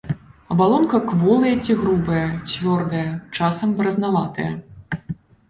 Абалонка кволая ці грубая, цвёрдая, часам баразнаватая.